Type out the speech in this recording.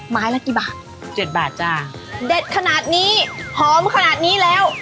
ไม้ละกี่บาทเจ็ดบาทจ้าเด็ดขนาดนี้หอมขนาดนี้แล้ว